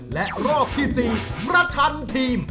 และรอบที่๔ประชันทีม